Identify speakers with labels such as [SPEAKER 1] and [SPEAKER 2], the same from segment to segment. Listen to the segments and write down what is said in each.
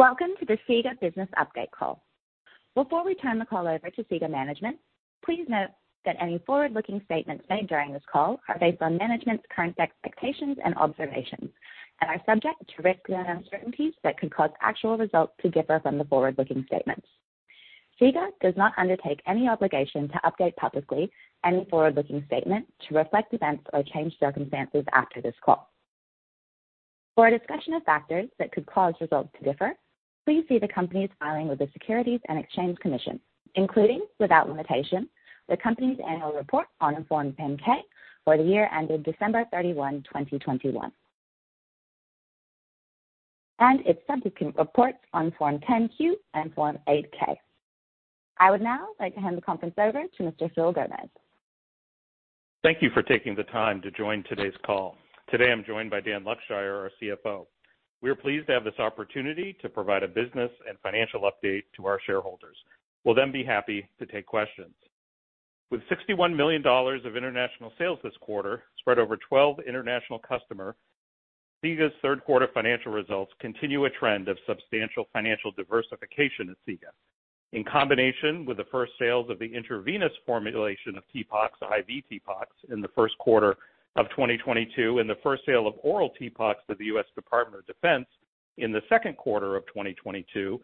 [SPEAKER 1] Welcome to the SIGA Business Update Call. Before we turn the call over to SIGA management, please note that any forward-looking statements made during this call are based on management's current expectations and observations and are subject to risks and uncertainties that could cause actual results to differ from the forward-looking statements. SIGA does not undertake any obligation to update publicly any forward-looking statement to reflect events or change circumstances after this call. For a discussion of factors that could cause results to differ, please see the company's filing with the Securities and Exchange Commission, including without limitation, the company's annual report on Form 10-K for the year ended December 31, 2021. Its subsequent reports on Form 10-Q and Form 8-K. I would now like to hand the conference over to Mr. Phillip Gomez.
[SPEAKER 2] Thank you for taking the time to join today's call. Today I'm joined by Daniel Luckshire, our CFO. We are pleased to have this opportunity to provide a business and financial update to our shareholders. We'll then be happy to take questions. With $61 million of international sales this quarter spread over 12 international customers, SIGA's third quarter financial results continue a trend of substantial financial diversification at SIGA. In combination with the first sales of the intravenous formulation of TPOXX, IV TPOXX, in the first quarter of 2022 and the first sale of oral TPOXX to the U.S. Department of Defense in the second quarter of 2022,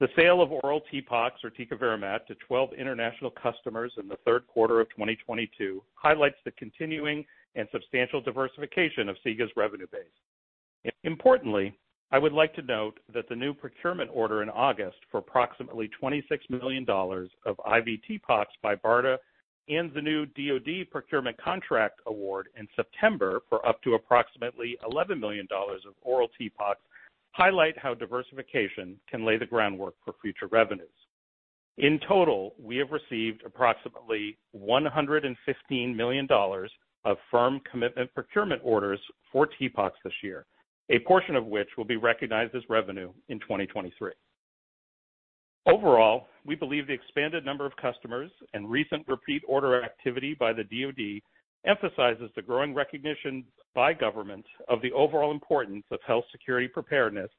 [SPEAKER 2] the sale of oral TPOXX or Tecovirimat to 12 international customers in the third quarter of 2022 highlights the continuing and substantial diversification of SIGA's revenue base. Importantly, I would like to note that the new procurement order in August for approximately $26 million of IV TPOXX by BARDA and the new DoD procurement contract award in September for up to approximately $11 million of oral TPOXX highlight how diversification can lay the groundwork for future revenues. In total, we have received approximately $115 million of firm commitment procurement orders for TPOXX this year, a portion of which will be recognized as revenue in 2023. Overall, we believe the expanded number of customers and recent repeat order activity by the DoD emphasizes the growing recognition by government of the overall importance of health security preparedness,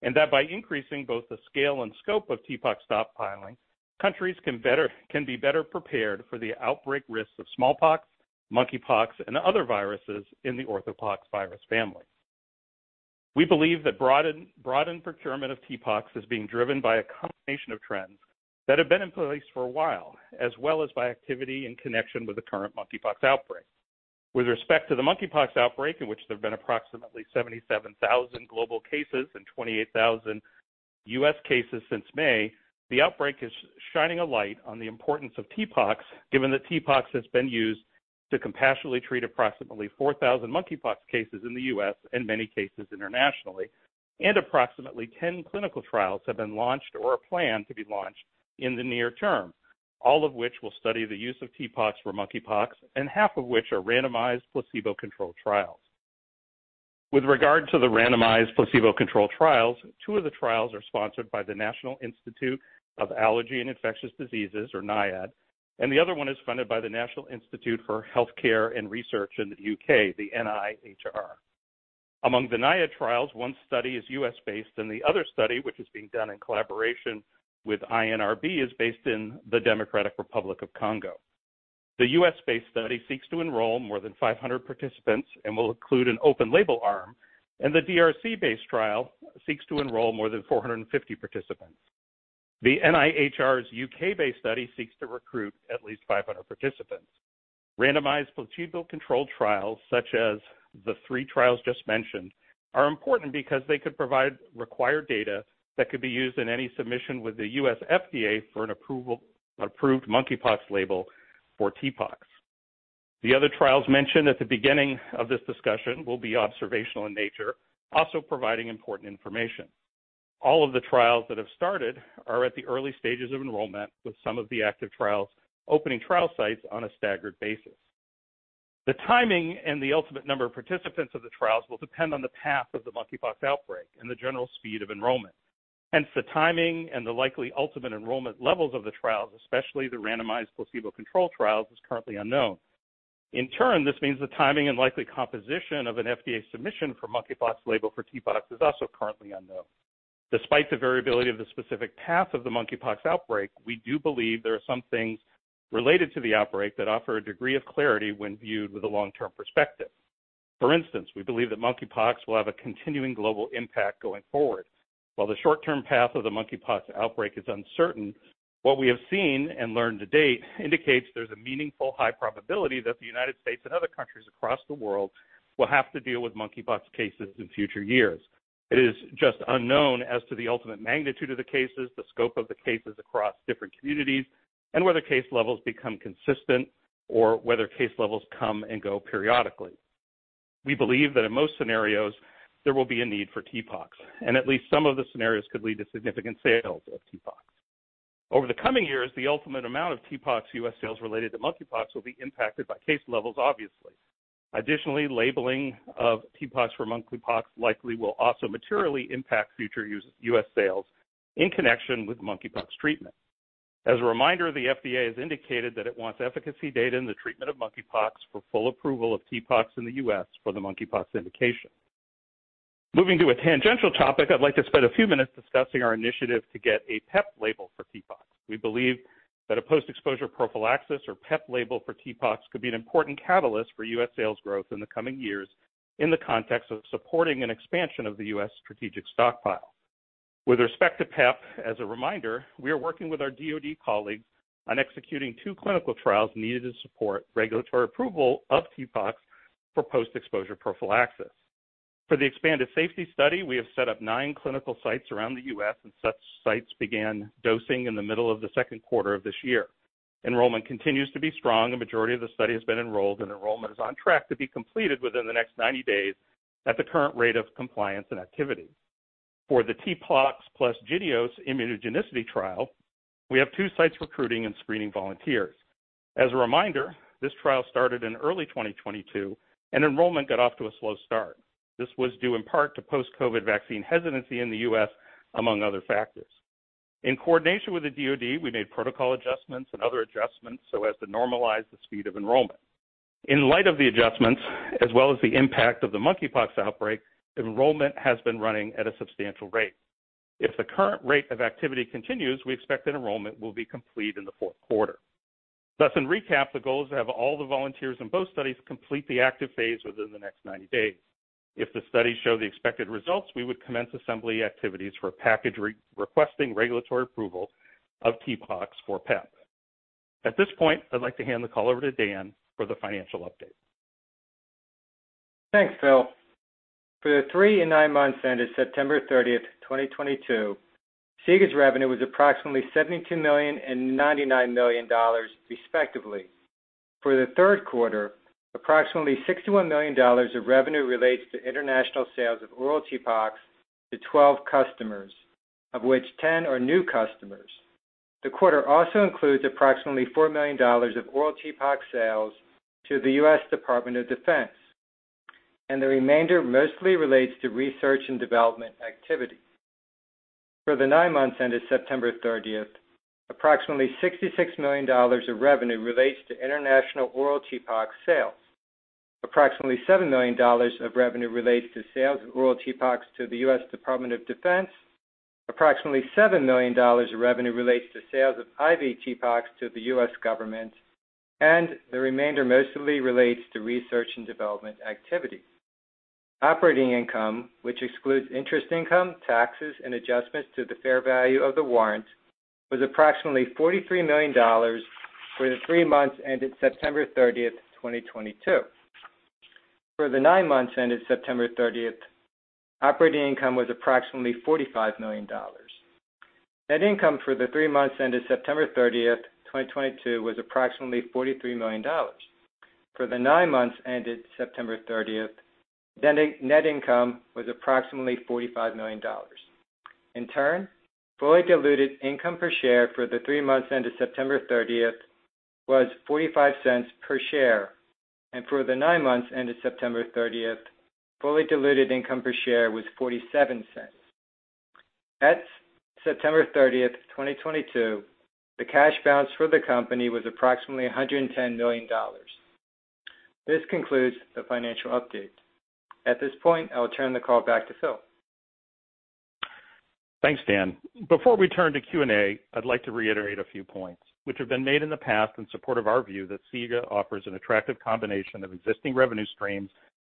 [SPEAKER 2] and that by increasing both the scale and scope of TPOXX stockpiling, countries can be better prepared for the outbreak risks of smallpox, monkeypox, and other viruses in the orthopoxvirus family. We believe that broadened procurement of TPOXX is being driven by a combination of trends that have been in place for a while, as well as by activity in connection with the current monkeypox outbreak. With respect to the monkeypox outbreak, in which there have been approximately 77,000 global cases and 28,000 U.S. cases since May, the outbreak is shining a light on the importance of TPOXX, given that TPOXX has been used to compassionately treat approximately 4,000 monkeypox cases in the U.S. and many cases internationally. Approximately 10 clinical trials have been launched or are planned to be launched in the near term, all of which will study the use of TPOXX for monkeypox, and half of which are randomized placebo-controlled trials. With regard to the randomized placebo-controlled trials, two of the trials are sponsored by the National Institute of Allergy and Infectious Diseases, or NIAID, and the other one is funded by the National Institute for Health and Care Research in the U.K., the NIHR. Among the NIAID trials, one study is U.S.-based, and the other study, which is being done in collaboration with INRB, is based in the Democratic Republic of Congo. The U.S.-based study seeks to enroll more than 500 participants and will include an open label arm, and the DRC-based trial seeks to enroll more than 450 participants. The NIHR's U.K.-based study seeks to recruit at least 500 participants. Randomized placebo-controlled trials, such as the three trials just mentioned, are important because they could provide required data that could be used in any submission with the U.S. FDA for an approved monkeypox label for TPOXX. The other trials mentioned at the beginning of this discussion will be observational in nature, also providing important information. All of the trials that have started are at the early stages of enrollment, with some of the active trials opening trial sites on a staggered basis. The timing and the ultimate number of participants of the trials will depend on the path of the monkeypox outbreak and the general speed of enrollment. Hence, the timing and the likely ultimate enrollment levels of the trials, especially the randomized placebo-controlled trials, is currently unknown. In turn, this means the timing and likely composition of an FDA submission for monkeypox label for TPOXX is also currently unknown. Despite the variability of the specific path of the monkeypox outbreak, we do believe there are some things related to the outbreak that offer a degree of clarity when viewed with a long-term perspective. For instance, we believe that monkeypox will have a continuing global impact going forward. While the short-term path of the monkeypox outbreak is uncertain, what we have seen and learned to date indicates there's a meaningful high probability that the United States and other countries across the world will have to deal with monkeypox cases in future years. It is just unknown as to the ultimate magnitude of the cases, the scope of the cases across different communities, and whether case levels become consistent or whether case levels come and go periodically. We believe that in most scenarios, there will be a need for TPOXX, and at least some of the scenarios could lead to significant sales of TPOXX. Over the coming years, the ultimate amount of TPOXX U.S. sales related to monkeypox will be impacted by case levels obviously. Additionally, labeling of TPOXX for monkeypox likely will also materially impact future U.S. sales in connection with monkeypox treatment. As a reminder, the FDA has indicated that it wants efficacy data in the treatment of monkeypox for full approval of TPOXX in the U.S. for the monkeypox indication. Moving to a tangential topic, I'd like to spend a few minutes discussing our initiative to get a PEP label for TPOXX. We believe that a post-exposure prophylaxis or PEP label for TPOXX could be an important catalyst for U.S. sales growth in the coming years in the context of supporting an expansion of the U.S. strategic stockpile. With respect to PEP, as a reminder, we are working with our DoD colleagues on executing two clinical trials needed to support regulatory approval of TPOXX for post-exposure prophylaxis. For the expanded safety study, we have set up nine clinical sites around the U.S., and such sites began dosing in the middle of the second quarter of this year. Enrollment continues to be strong. A majority of the study has been enrolled, and enrollment is on track to be completed within the next 90 days at the current rate of compliance and activity. For the TPOXX plus JYNNEOS immunogenicity trial, we have two sites recruiting and screening volunteers. As a reminder, this trial started in early 2022, and enrollment got off to a slow start. This was due in part to post-COVID vaccine hesitancy in the U.S., among other factors. In coordination with the DoD, we made protocol adjustments and other adjustments so as to normalize the speed of enrollment. In light of the adjustments, as well as the impact of the monkeypox outbreak, enrollment has been running at a substantial rate. If the current rate of activity continues, we expect that enrollment will be complete in the fourth quarter. Thus, in recap, the goal is to have all the volunteers in both studies complete the active phase within the next 90 days. If the studies show the expected results, we would commence assembly activities for a package re-requesting regulatory approval of TPOXX for PEP. At this point, I'd like to hand the call over to Dan for the financial update.
[SPEAKER 3] Thanks, Phil. For the three and nine months ended September 30, 2022, SIGA's revenue was approximately $72 million and $99 million, respectively. For the third quarter, approximately $61 million of revenue relates to international sales of oral TPOXX to 12 customers, of which 10 are new customers. The quarter also includes approximately $4 million of oral TPOXX sales to the U.S. Department of Defense, and the remainder mostly relates to research and development activity. For the nine months ended September 30, approximately $66 million of revenue relates to international oral TPOXX sales. Approximately $7 million of revenue relates to sales of oral TPOXX to the U.S. Department of Defense. Approximately $7 million of revenue relates to sales of IV TPOXX to the U.S. government, and the remainder mostly relates to research and development activity. Operating income, which excludes interest income, taxes, and adjustments to the fair value of the warrants, was approximately $43 million for the three months ended September 30, 2022. For the nine months ended September 30, operating income was approximately $45 million. Net income for the three months ended September 30, 2022 was approximately $43 million. For the nine months ended September 30, net income was approximately $45 million. Fully diluted income per share for the three months ended September 30 was $0.45 per share, and for the nine months ended September 30, fully diluted income per share was $0.47. At September 30, 2022, the cash balance for the company was approximately $110 million. This concludes the financial update. At this point, I will turn the call back to Phil.
[SPEAKER 2] Thanks, Dan. Before we turn to Q&A, I'd like to reiterate a few points which have been made in the past in support of our view that SIGA offers an attractive combination of existing revenue streams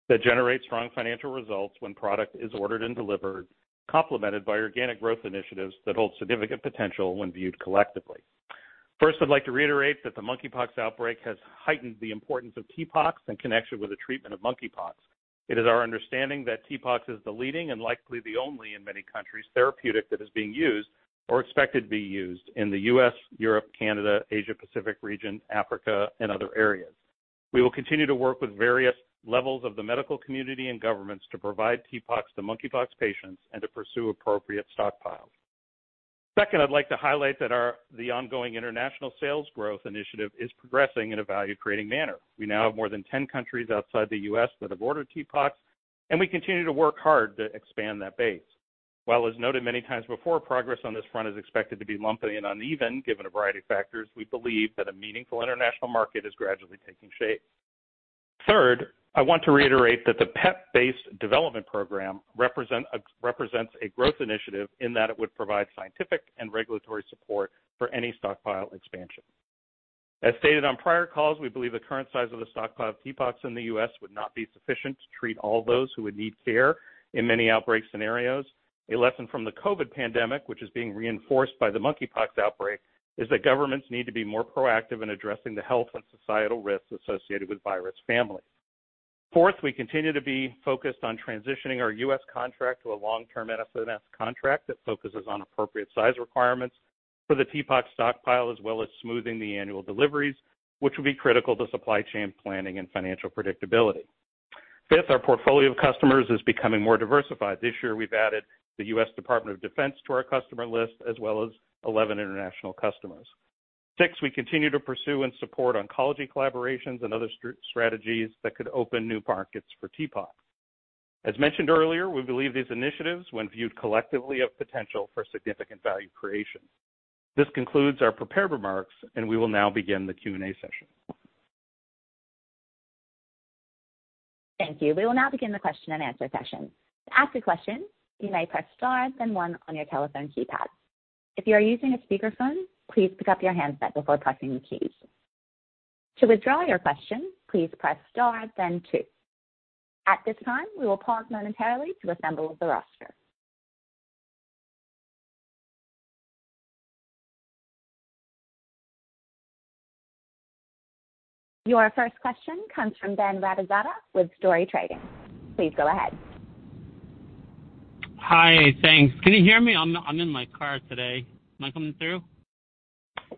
[SPEAKER 2] that generate strong financial results when product is ordered and delivered, complemented by organic growth initiatives that hold significant potential when viewed collectively. First, I'd like to reiterate that the monkeypox outbreak has heightened the importance of TPOXX in connection with the treatment of monkeypox. It is our understanding that TPOXX is the leading, and likely the only in many countries, therapeutic that is being used or expected to be used in the U.S., Europe, Canada, Asia Pacific region, Africa, and other areas. We will continue to work with various levels of the medical community and governments to provide TPOXX to monkeypox patients and to pursue appropriate stockpiles. Second, I'd like to highlight that the ongoing international sales growth initiative is progressing in a value-creating manner. We now have more than 10 countries outside the U.S. that have ordered TPOXX, and we continue to work hard to expand that base. While as noted many times before, progress on this front is expected to be lumpy and uneven given a variety of factors, we believe that a meaningful international market is gradually taking shape. Third, I want to reiterate that the PEP-based development program represents a growth initiative in that it would provide scientific and regulatory support for any stockpile expansion. As stated on prior calls, we believe the current size of the stockpiled TPOXX in the U.S. would not be sufficient to treat all those who would need care in many outbreak scenarios. A lesson from the COVID pandemic, which is being reinforced by the monkeypox outbreak, is that governments need to be more proactive in addressing the health and societal risks associated with virus families. Fourth, we continue to be focused on transitioning our U.S. contract to a long-term MFNS contract that focuses on appropriate size requirements for the TPOXX stockpile, as well as smoothing the annual deliveries, which will be critical to supply chain planning and financial predictability. Fifth, our portfolio of customers is becoming more diversified. This year we've added the U.S. Department of Defense to our customer list, as well as 11 international customers. Six, we continue to pursue and support oncology collaborations and other strategies that could open new markets for TPOXX. As mentioned earlier, we believe these initiatives, when viewed collectively, have potential for significant value creation. This concludes our prepared remarks, and we will now begin the Q&A session.
[SPEAKER 1] Thank you. We will now begin the question-and-answer session. To ask a question, you may press star then one on your telephone keypad. If you are using a speakerphone, please pick up your handset before pressing the keys. To withdraw your question, please press star then two. At this time, we will pause momentarily to assemble the roster. Your first question comes from Ben Rabizadeh with Story Trading. Please go ahead.
[SPEAKER 4] Hi. Thanks. Can you hear me? I'm in my car today. Am I coming through?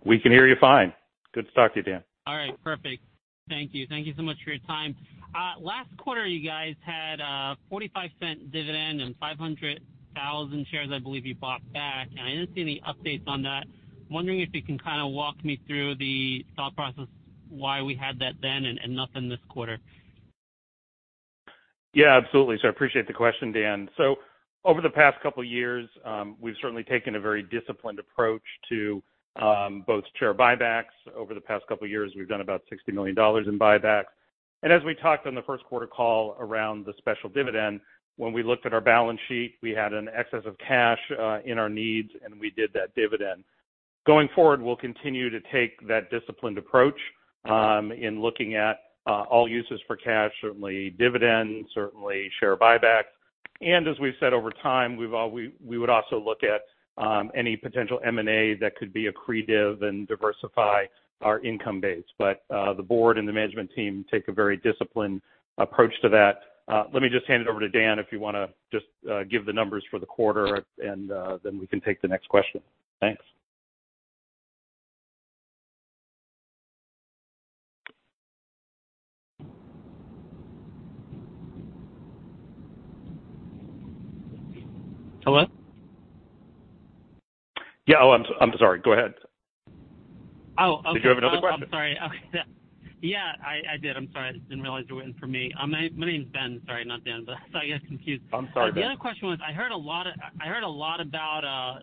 [SPEAKER 2] We can hear you fine. Good to talk to you, Dan.
[SPEAKER 4] All right. Perfect. Thank you. Thank you so much for your time. Last quarter, you guys had a $0.45 dividend and 500,000 shares I believe you bought back, and I didn't see any updates on that. I'm wondering if you can kinda walk me through the thought process why we had that then and nothing this quarter.
[SPEAKER 2] Yeah, absolutely. I appreciate the question, Dan. Over the past couple years, we've certainly taken a very disciplined approach to both share buybacks. Over the past couple years, we've done about $60 million in buybacks. As we talked on the first quarter call around the special dividend, when we looked at our balance sheet, we had an excess of cash in our needs, and we did that dividend. Going forward, we'll continue to take that disciplined approach in looking at all uses for cash, certainly dividends, certainly share buybacks. As we've said over time, we would also look at any potential M&A that could be accretive and diversify our income base. The board and the management team take a very disciplined approach to that. Let me just hand it over to Dan if you wanna just give the numbers for the quarter and then we can take the next question. Thanks.
[SPEAKER 4] Hello?
[SPEAKER 2] Yeah. Oh, I'm sorry. Go ahead.
[SPEAKER 4] Oh, okay.
[SPEAKER 2] Did you have another question?
[SPEAKER 4] I'm sorry. Yeah, I did. I'm sorry. I didn't realize you were waiting for me. My name's Ben. Sorry, not Dan, but I thought I got confused.
[SPEAKER 2] I'm sorry, Ben.
[SPEAKER 4] The other question was, I heard a lot about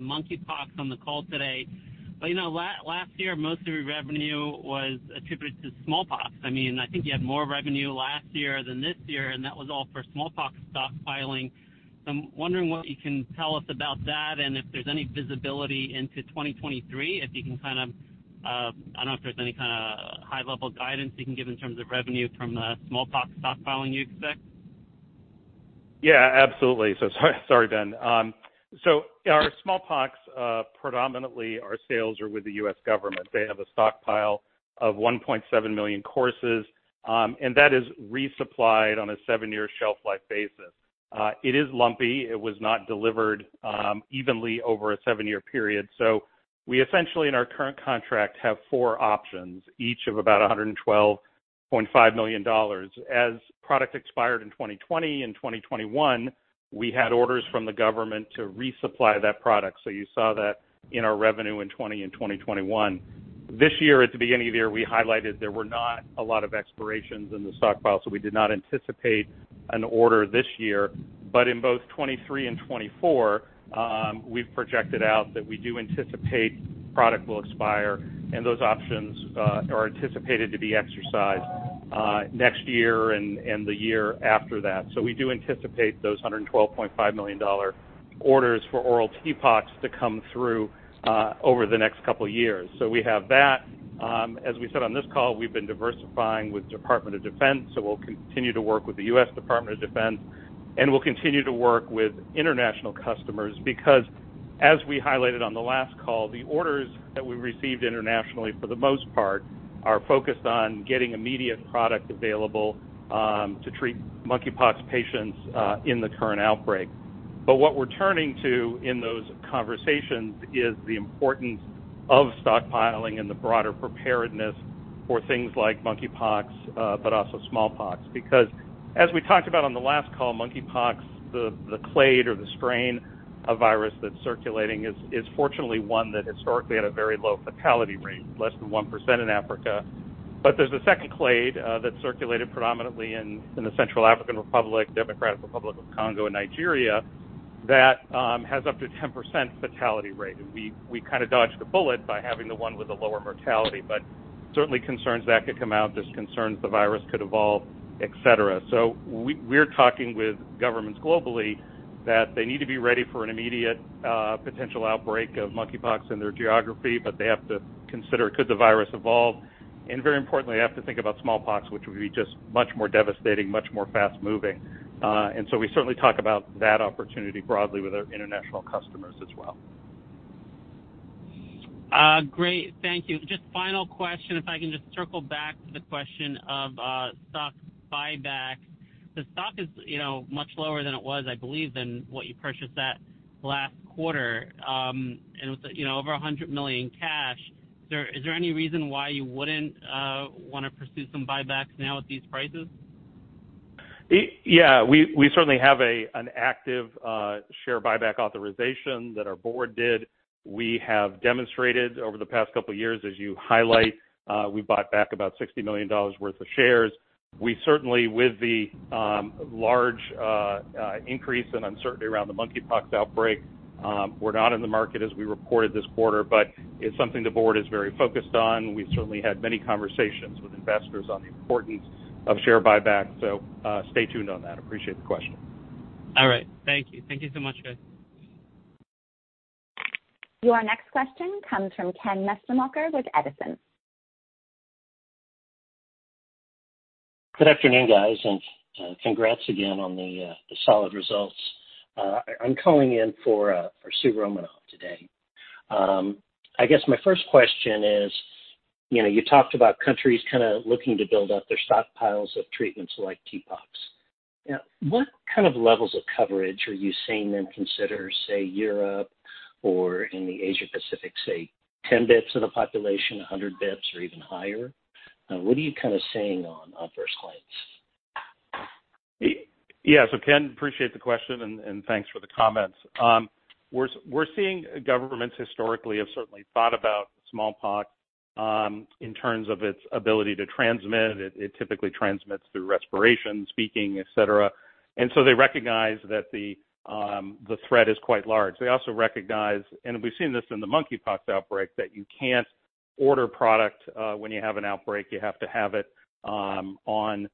[SPEAKER 4] monkeypox on the call today, but you know, last year, most of your revenue was attributed to smallpox. I mean, I think you had more revenue last year than this year, and that was all for smallpox stockpiling. I'm wondering what you can tell us about that and if there's any visibility into 2023, if you can kind of, I don't know if there's any kinda high-level guidance you can give in terms of revenue from smallpox stockpiling you expect.
[SPEAKER 2] Yeah, absolutely. Sorry, Ben. Our smallpox, predominantly our sales are with the U.S. government. They have a stockpile of 1.7 million courses, and that is resupplied on a seven-year shelf life basis. It is lumpy. It was not delivered evenly over a seven-year period. We essentially in our current contract have four options, each of about $112.5 million. As product expired in 2020 and 2021, we had orders from the government to resupply that product. You saw that in our revenue in 2020 and 2021. This year, at the beginning of the year, we highlighted there were not a lot of expirations in the stockpile, so we did not anticipate an order this year. In both 2023 and 2024, we've projected out that we do anticipate product will expire, and those options are anticipated to be exercised next year and the year after that. We do anticipate those $112.5 million orders for oral TPOXX to come through over the next couple years. We have that. As we said on this call, we've been diversifying with the U.S. Department of Defense, so we'll continue to work with the U.S. Department of Defense, and we'll continue to work with international customers. Because as we highlighted on the last call, the orders that we received internationally, for the most part, are focused on getting immediate product available to treat monkeypox patients in the current outbreak. What we're turning to in those conversations is the importance of stockpiling and the broader preparedness for things like monkeypox, but also smallpox. Because as we talked about on the last call, monkeypox, the clade or the strain of virus that's circulating is fortunately one that historically had a very low fatality rate, less than 1% in Africa. There's a second clade that circulated predominantly in the Central African Republic, Democratic Republic of Congo, and Nigeria that has up to 10% fatality rate. We kinda dodged the bullet by having the one with the lower mortality, but certainly concerns that could come out. There's concerns the virus could evolve, et cetera. We're talking with governments globally that they need to be ready for an immediate potential outbreak of monkeypox in their geography, but they have to consider could the virus evolve. Very importantly, they have to think about smallpox, which would be just much more devastating, much more fast-moving. We certainly talk about that opportunity broadly with our international customers as well.
[SPEAKER 4] Great. Thank you. Just final question, if I can just circle back to the question of stock buyback. The stock is much lower than it was, I believe, than what you purchased at last quarter, and with over $100 million in cash. Is there any reason why you wouldn't wanna pursue some buybacks now at these prices?
[SPEAKER 2] Yeah, we certainly have an active share buyback authorization that our board did. We have demonstrated over the past couple of years, as you highlight, we bought back about $60 million worth of shares. We certainly, with the large increase in uncertainty around the monkeypox outbreak, we're not in the market as we reported this quarter, but it's something the board is very focused on. We've certainly had many conversations with investors on the importance of share buyback. Stay tuned on that. Appreciate the question.
[SPEAKER 4] All right. Thank you. Thank you so much, guys.
[SPEAKER 1] Your next question comes from Ken Maslanka with Edison.
[SPEAKER 5] Good afternoon, guys, and congrats again on the solid results. I'm calling in for Soo Romanoff today. I guess my first question is, you know, you talked about countries kinda looking to build up their stockpiles of treatments like TPOXX. Now, what kind of levels of coverage are you seeing them consider, say, Europe or in the Asia Pacific, say, 10% of the population, 100% or even higher? What are you kinda seeing on first clients?
[SPEAKER 2] Ken, appreciate the question, and thanks for the comments. We're seeing governments historically have certainly thought about smallpox in terms of its ability to transmit. It typically transmits through respiration, speaking, et cetera. They recognize that the threat is quite large. They also recognize, and we've seen this in the monkeypox outbreak, that you can't order product when you have an outbreak. You have to have it on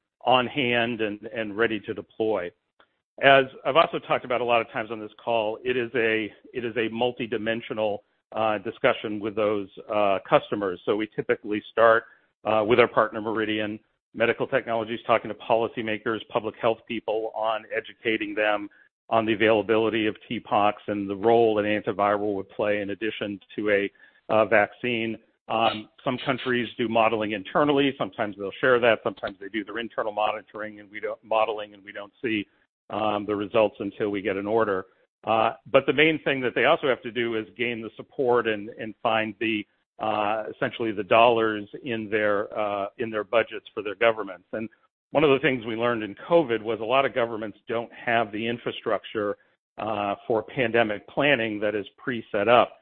[SPEAKER 2] hand and ready to deploy. As I've also talked about a lot of times on this call, it is a multidimensional discussion with those customers. We typically start with our partner, Meridian Medical Technologies, talking to policymakers, public health people on educating them on the availability of TPOXX and the role an antiviral would play in addition to a vaccine. Some countries do modeling internally. Sometimes they'll share that. Sometimes they do their internal modeling, and we don't see the results until we get an order. The main thing that they also have to do is gain the support and find essentially the dollars in their budgets for their governments. One of the things we learned in COVID was a lot of governments don't have the infrastructure for pandemic planning that is pre-set up.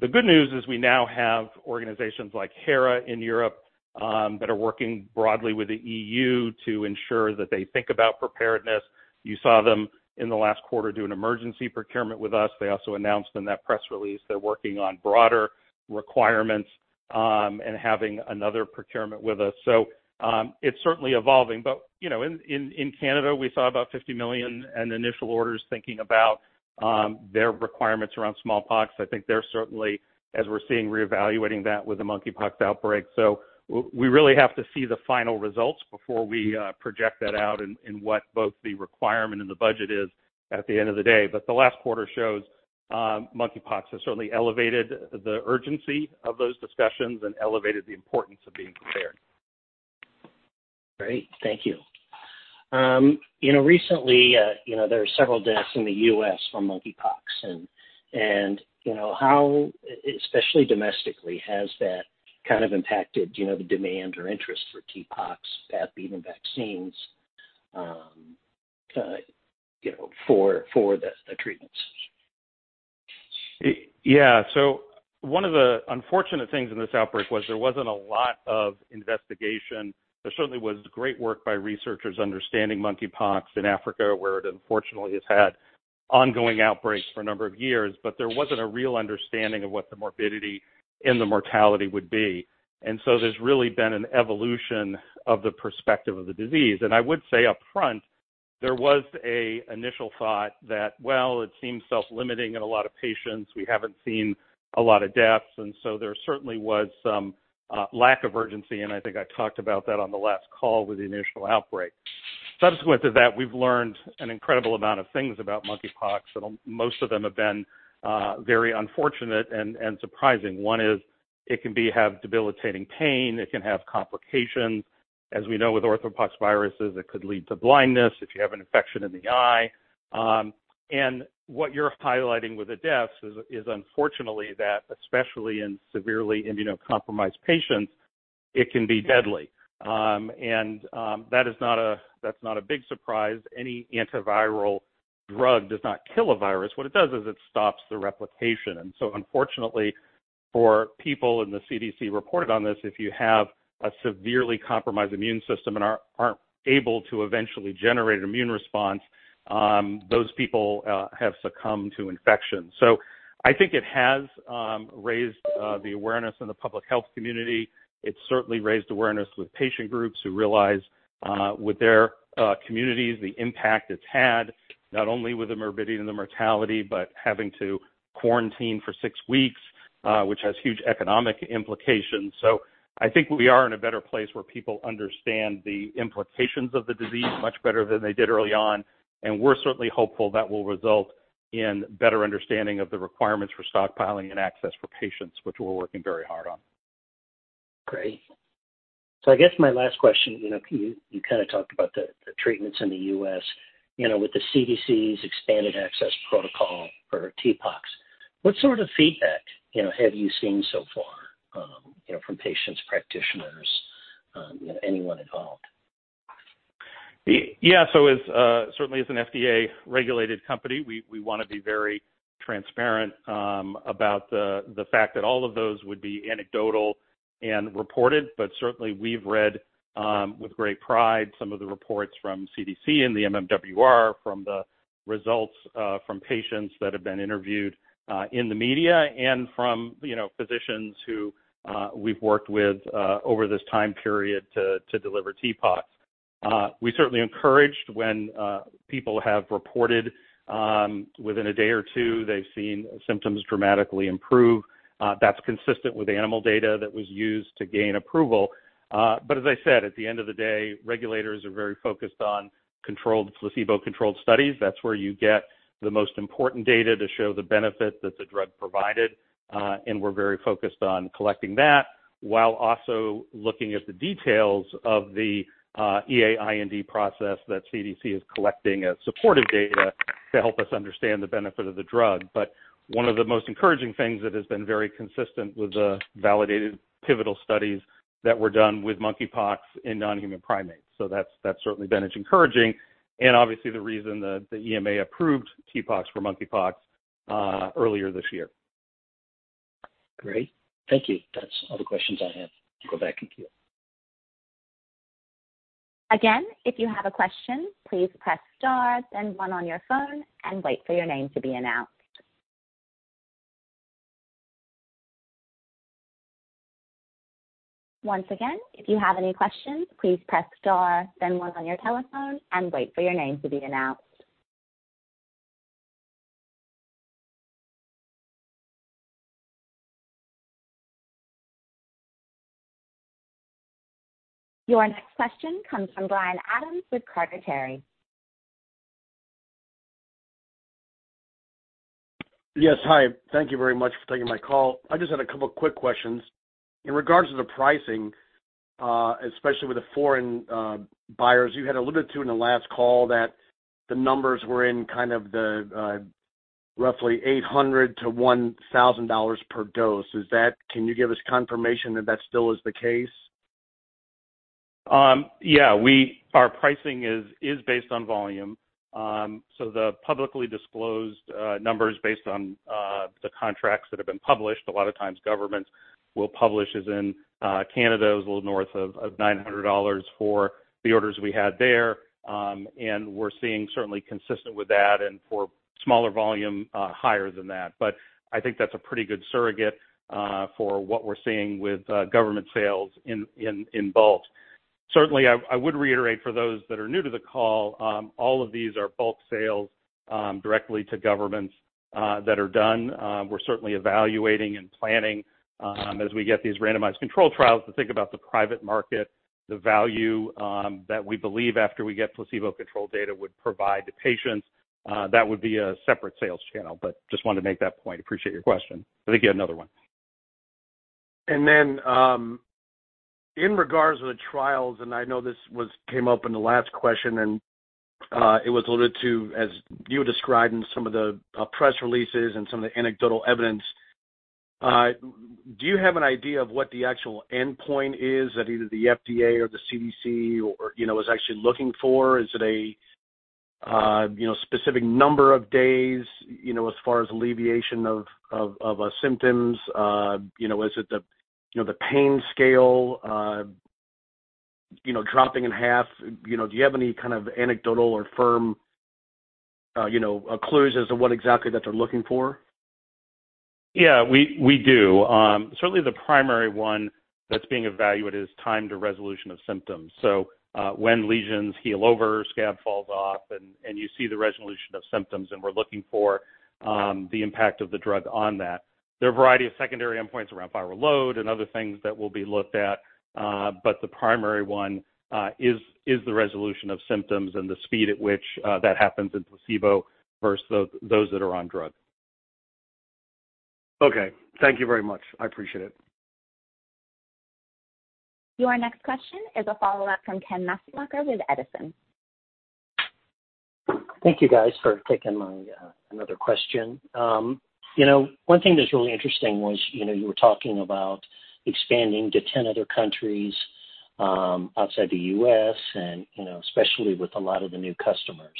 [SPEAKER 2] The good news is we now have organizations like HERA in Europe that are working broadly with the EU to ensure that they think about preparedness. You saw them in the last quarter do an emergency procurement with us. They also announced in that press release they're working on broader requirements and having another procurement with us. It's certainly evolving, but you know, in Canada, we saw about $50 million in initial orders thinking about their requirements around smallpox. I think they're certainly, as we're seeing, reevaluating that with the monkeypox outbreak. We really have to see the final results before we project that out in what both the requirement and the budget is at the end of the day. The last quarter shows monkeypox has certainly elevated the urgency of those discussions and elevated the importance of being prepared.
[SPEAKER 5] Great. Thank you. You know, recently, you know, there are several deaths in the U.S. from monkeypox and, you know, how, especially domestically, has that kind of impacted, you know, the demand or interest for TPOXX, that being vaccines, you know, for the treatments?
[SPEAKER 2] Yeah. One of the unfortunate things in this outbreak was there wasn't a lot of investigation. There certainly was great work by researchers understanding monkeypox in Africa, where it unfortunately has had ongoing outbreaks for a number of years, but there wasn't a real understanding of what the morbidity and the mortality would be. There's really been an evolution of the perspective of the disease. I would say up front, there was an initial thought that, well, it seems self-limiting in a lot of patients. We haven't seen a lot of deaths, and so there certainly was some lack of urgency, and I think I talked about that on the last call with the initial outbreak. Subsequent to that, we've learned an incredible amount of things about monkeypox, and most of them have been very unfortunate and surprising. One is it can have debilitating pain, it can have complications. As we know with orthopoxviruses, it could lead to blindness if you have an infection in the eye. What you're highlighting with the deaths is unfortunately that, especially in severely immunocompromised patients, it can be deadly. That's not a big surprise. Any antiviral drug does not kill a virus. What it does is it stops the replication. Unfortunately for people, and the CDC reported on this, if you have a severely compromised immune system and aren't able to eventually generate an immune response, those people have succumbed to infection. I think it has raised the awareness in the public health community. It's certainly raised awareness with patient groups who realize with their communities, the impact it's had, not only with the morbidity and the mortality, but having to quarantine for six weeks, which has huge economic implications. I think we are in a better place where people understand the implications of the disease much better than they did early on, and we're certainly hopeful that will result in better understanding of the requirements for stockpiling and access for patients, which we're working very hard on.
[SPEAKER 5] Great. I guess my last question, you know, you kinda talked about the treatments in the U.S., you know, with the CDC's expanded access protocol for TPOXX. What sort of feedback, you know, have you seen so far, you know, from patients, practitioners, you know, anyone involved?
[SPEAKER 2] Yeah. As certainly as an FDA-regulated company, we want to be very transparent about the fact that all of those would be anecdotal and reported. Certainly we've read with great pride some of the reports from CDC and the MMWR from the results from patients that have been interviewed in the media and from, you know, physicians who we've worked with over this time period to deliver TPOXX. We're certainly encouraged when people have reported within a day or two they've seen symptoms dramatically improve. That's consistent with animal data that was used to gain approval. As I said, at the end of the day, regulators are very focused on placebo-controlled studies. That's where you get the most important data to show the benefit that the drug provided. We're very focused on collecting that while also looking at the details of the EA-IND process that CDC is collecting as supportive data to help us understand the benefit of the drug. One of the most encouraging things that has been very consistent with the validated pivotal studies that were done with monkeypox in non-human primates. That's certainly been encouraging and obviously the reason the EMA approved TPOXX for monkeypox earlier this year.
[SPEAKER 5] Great. Thank you. That's all the questions I have. Go back and queue.
[SPEAKER 1] Again, if you have a question, please press star, then one on your phone and wait for your name to be announced. Once again, if you have any questions, please press star, then one on your telephone and wait for your name to be announced. Your next question comes from Brian Adams with Carter, Terry & Company.
[SPEAKER 6] Yes. Hi. Thank you very much for taking my call. I just had a couple quick questions. In regards to the pricing, especially with the foreign buyers, you had alluded to in the last call that the numbers were in kind of the roughly $800-$1,000 per dose. Can you give us confirmation that that still is the case?
[SPEAKER 2] Our pricing is based on volume. The publicly disclosed numbers based on the contracts that have been published. A lot of times governments will publish, as in Canada, it was a little north of $900 for the orders we had there. We're seeing certainly consistent with that and for smaller volume, higher than that. I think that's a pretty good surrogate for what we're seeing with government sales in bulk. Certainly, I would reiterate for those that are new to the call, all of these are bulk sales directly to governments that are done. We're certainly evaluating and planning, as we get these randomized controlled trials to think about the private market, the value, that we believe after we get placebo-controlled data would provide to patients, that would be a separate sales channel. Just wanted to make that point. Appreciate your question. Let me get another one.
[SPEAKER 6] In regards to the trials, and I know this came up in the last question, and it was alluded to as you described in some of the press releases and some of the anecdotal evidence. Do you have an idea of what the actual endpoint is that either the FDA or the CDC or, you know, is actually looking for? Is it a, you know, specific number of days, you know, as far as alleviation of symptoms? You know, is it the, you know, the pain scale, you know, dropping in half? You know, do you have any kind of anecdotal or firm, you know, clues as to what exactly that they're looking for?
[SPEAKER 2] Yeah, we do. Certainly the primary one that's being evaluated is time to resolution of symptoms. When lesions heal over, scab falls off, and you see the resolution of symptoms, and we're looking for the impact of the drug on that. There are a variety of secondary endpoints around viral load and other things that will be looked at. The primary one is the resolution of symptoms and the speed at which that happens in placebo versus those that are on drug.
[SPEAKER 6] Okay. Thank you very much. I appreciate it.
[SPEAKER 1] Your next question is a follow-up from Ken Maslanka with Edison.
[SPEAKER 5] Thank you guys for taking my another question. You know, one thing that's really interesting was, you know, you were talking about expanding to 10 other countries, outside the U.S. and, you know, especially with a lot of the new customers.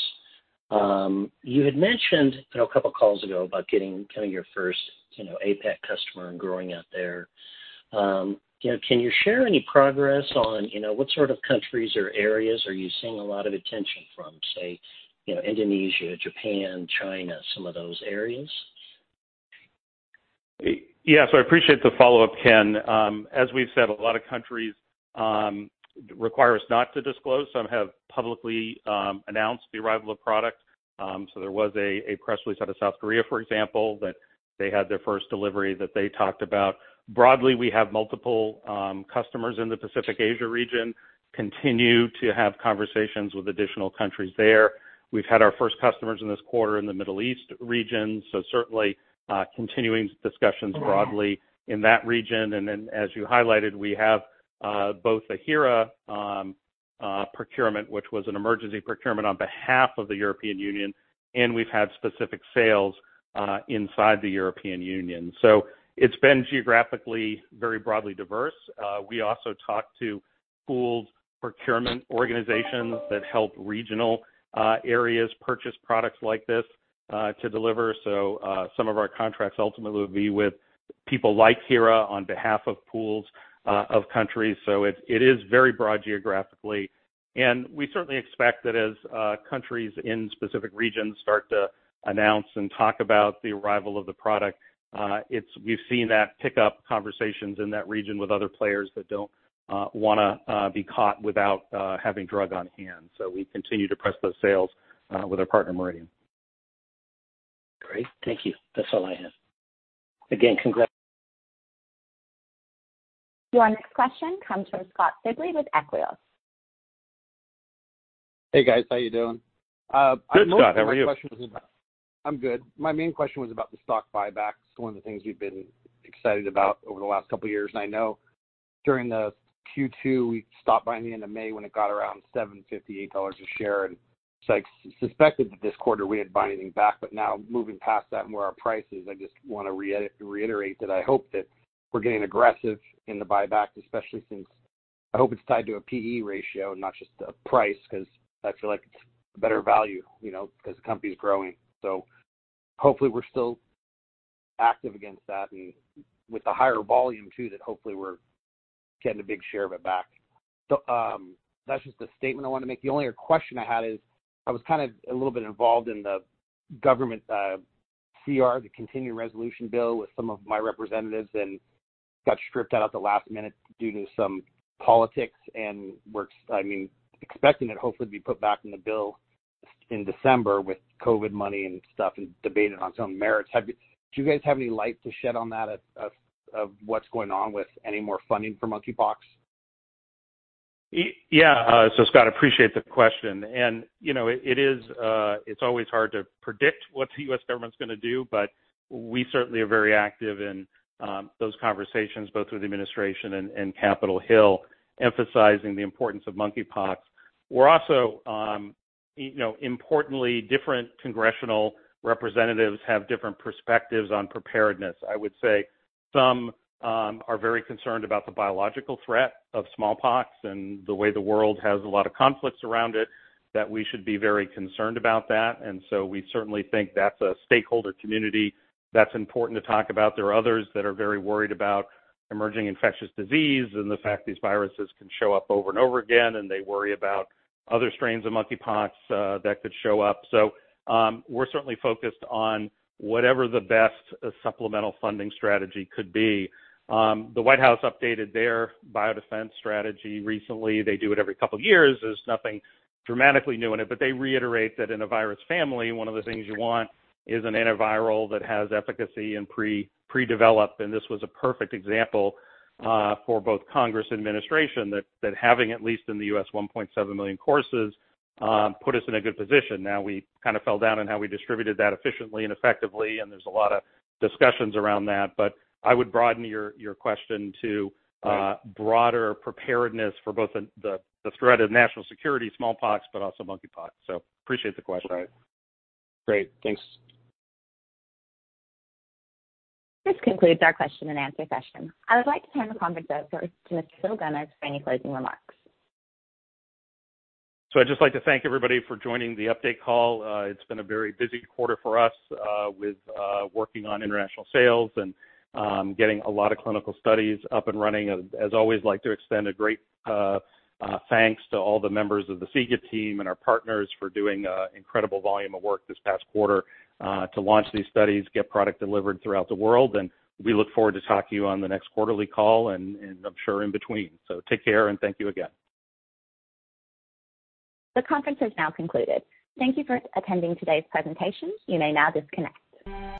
[SPEAKER 5] You had mentioned, you know, a couple of calls ago about getting kind of your first, you know, APAC customer and growing out there. You know, can you share any progress on, you know, what sort of countries or areas are you seeing a lot of attention from, say, you know, Indonesia, Japan, China, some of those areas?
[SPEAKER 2] Yeah. I appreciate the follow-up, Ken. As we've said, a lot of countries require us not to disclose. Some have publicly announced the arrival of product. There was a press release out of South Korea, for example, that they had their first delivery that they talked about. Broadly, we have multiple customers in the Pacific Asia region, continue to have conversations with additional countries there. We've had our first customers in this quarter in the Middle East region. Certainly, continuing discussions broadly in that region. As you highlighted, we have both HERA procurement, which was an emergency procurement on behalf of the European Union, and we've had specific sales inside the European Union. It's been geographically very broadly diverse. We also talked to pooled procurement organizations that help regional areas purchase products like this to deliver. Some of our contracts ultimately would be with people like HERA on behalf of pools of countries. It is very broad geographically, and we certainly expect that as countries in specific regions start to announce and talk about the arrival of the product, we've seen that pick up conversations in that region with other players that don't wanna be caught without having drug on hand. We continue to press those sales with our partner, Meridian.
[SPEAKER 5] Great. Thank you. That's all I have. Again, congrat-
[SPEAKER 1] Your next question comes from Scott Sibley with Equis.
[SPEAKER 7] Hey, guys. How you doing?
[SPEAKER 2] Good, Scott. How are you?
[SPEAKER 7] I'm good. My main question was about the stock buybacks, one of the things we've been excited about over the last couple years. I know during the Q2, we stopped buying at the end of May when it got around $7.58 a share. I suspected that this quarter we didn't buy anything back, but now moving past that and where our price is, I just wanna reiterate that I hope that we're getting aggressive in the buyback, especially since I hope it's tied to a P/E ratio and not just a price, 'cause I feel like it's a better value, you know, 'cause the company's growing. Hopefully we're still active against that and with the higher volume too, that hopefully we're getting a big share of it back. That's just the statement I wanna make. The only other question I had is I was kind of a little bit involved in the government CR, the continuing resolution bill with some of my representatives and got stripped out at the last minute due to some politics and we're I mean, expecting it hopefully to be put back in the bill in December with COVID money and stuff and debated on its own merits. Do you guys have any light to shed on that of what's going on with any more funding for monkeypox?
[SPEAKER 2] Yeah, Scott, appreciate the question. You know, it's always hard to predict what the U.S. government's gonna do, but we certainly are very active in those conversations both with the administration and Capitol Hill, emphasizing the importance of monkeypox. We're also, you know, importantly, different congressional representatives have different perspectives on preparedness. I would say some are very concerned about the biological threat of smallpox and the way the world has a lot of conflicts around it, that we should be very concerned about that. We certainly think that's a stakeholder community that's important to talk about. There are others that are very worried about emerging infectious disease and the fact these viruses can show up over and over again, and they worry about other strains of monkeypox that could show up. We're certainly focused on whatever the best supplemental funding strategy could be. The White House updated their biodefense strategy recently. They do it every couple years. There's nothing dramatically new in it, but they reiterate that in a virus family, one of the things you want is an antiviral that has efficacy and pre-developed. This was a perfect example for both Congress and administration that having at least in the U.S. 1.7 million courses put us in a good position. Now, we kind of fell down on how we distributed that efficiently and effectively, and there's a lot of discussions around that, but I would broaden your question to broader preparedness for both the threat of national security smallpox, but also monkeypox. Appreciate the question.
[SPEAKER 7] All right. Great. Thanks.
[SPEAKER 1] This concludes our question and answer session. I would like to turn the conference over to Mr. Phillip Gomez for any closing remarks.
[SPEAKER 2] I'd just like to thank everybody for joining the update call. It's been a very busy quarter for us, with working on international sales and getting a lot of clinical studies up and running. As always, I'd like to extend a great thanks to all the members of the SIGA team and our partners for doing a incredible volume of work this past quarter, to launch these studies, get product delivered throughout the world. We look forward to talking to you on the next quarterly call and I'm sure in between. Take care, and thank you again.
[SPEAKER 1] The conference is now concluded. Thank you for attending today's presentation. You may now disconnect.